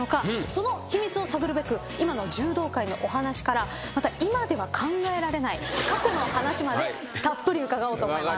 その秘密を探るべく今の柔道界のお話からまた今では考えられない過去の話までたっぷり伺おうと思います。